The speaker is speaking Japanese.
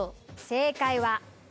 正解は。